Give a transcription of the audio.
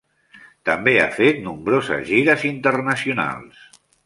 També ha fet nombroses gires internacionals.